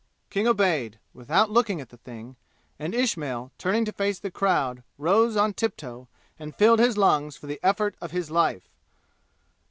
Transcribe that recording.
King obeyed, without looking at the thing, and Ismail, turning to face the crowd, rose on tiptoe and filled his lungs for the effort of his life.